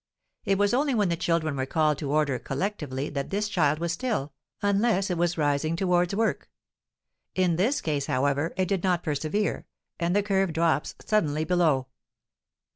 It was only when the children were called to order collectively that this child was still, unless it was rising towards work; in this case, however, it did not persevere, and the curve drops suddenly below.